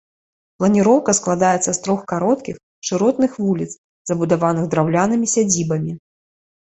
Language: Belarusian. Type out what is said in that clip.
Планіроўка складаецца з трох кароткіх, шыротных вуліц, забудаваных драўлянымі сядзібамі.